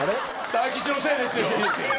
大吉のせいですよ！